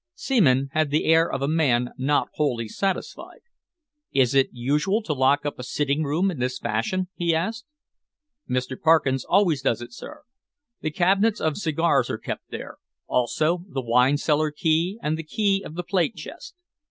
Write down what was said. Seaman had the air of a man not wholly satisfied. "Is it usual to lock up a sitting room in this fashion?" he asked. "Mr. Parkins always does it, sir. The cabinets of cigars are kept there, also the wine cellar key and the key of the plate chest.